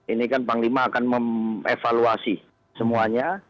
ini kan panglima akan mengevaluasi semuanya